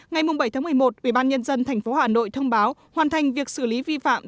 ngày bảy một mươi một ubnd tp hà nội thông báo hoàn thành việc xử lý vi phạm